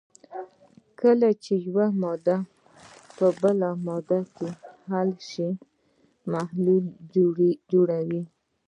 کله چې یوه ماده په بله ماده کې حل شي محلول جوړوي.